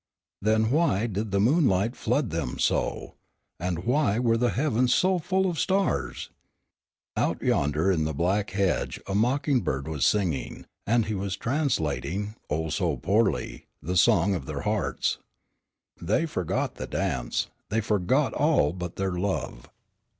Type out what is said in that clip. Then why did the moonlight flood them so, and why were the heavens so full of stars? Out yonder in the black hedge a mocking bird was singing, and he was translating oh, so poorly the song of their hearts. They forgot the dance, they forgot all but their love.